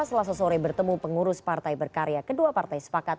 selasa sore bertemu pengurus partai berkarya kedua partai sepakat